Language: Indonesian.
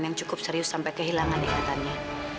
yang cukup serius sampai kehilangan ikatannya